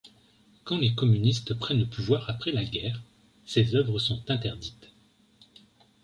Quand les communistes prennent le pouvoir après la guerre, ses œuvres sont interdites.